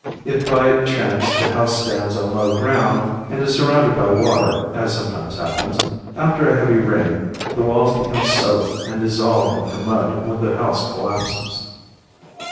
If by chance the house stands on low ground and is surrounded by water, as sometimes happens, after a heavy rain the walls become soaked and dissolved into mud when the house collapses.